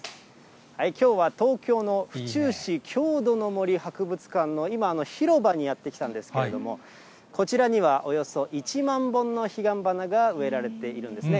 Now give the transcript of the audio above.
きょうは東京の府中市郷土の森博物館の今、広場にやって来たんですけれども、こちらには、およそ１万本の彼岸花が植えられているんですね。